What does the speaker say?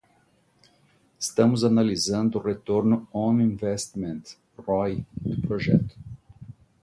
Estamos analisando o retorno on investment (ROI) do projeto.